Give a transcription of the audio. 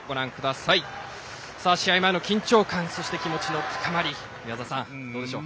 試合前の緊張感そして気持ちの高まり宮澤さん、どうでしょう？